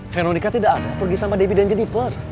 veronika tidak ada pergi sama debi dan centiper